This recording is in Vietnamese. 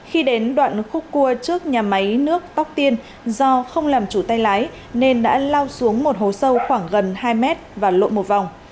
khi đến đoạn khúc cua trước nhà máy nước tóc tiên do không làm chủ tay lái nên đã lao xuống một hố sâu khoảng gần hai mét và lộn một vòng